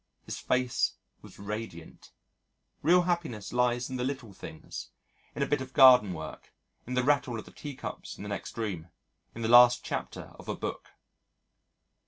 His face was radiant! Real happiness lies in the little things, in a bit of garden work, in the rattle of the teacups in the next room, in the last chapter of a book.